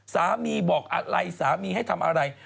สามีบอกอะไรสามีให้ทำอะไร